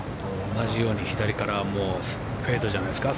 同じように左からフェードじゃないですか？